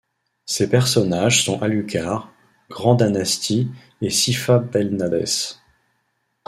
Ces personnages sont Alucard, Grant Danasty et Sypha Belnades.